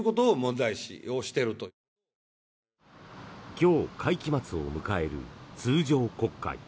今日会期末を迎える通常国会。